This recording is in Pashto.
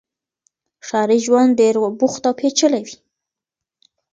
ښاري ژوند ډېر بوخت او پېچلی وي.